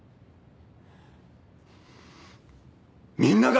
みんなが。